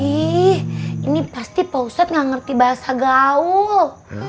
ih ini pasti pak ustadz tidak mengerti bahasa gaul